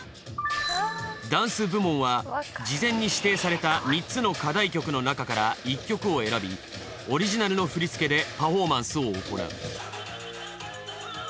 ダンス部門は事前に指定された３つの課題曲のなかから１曲を選びオリジナルの振り付けでパフォーマンスを行う。